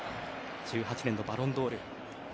１８年のバロンドール。